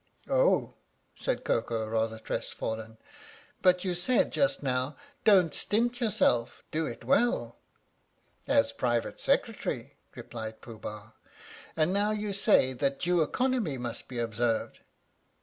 " Oh," said Koko, rather crestfallen. " But you said just now * don't stint yourself, do it well.' ' "As Private Secretary," replied Pooh Bah. "And now you say that due economy must be observed."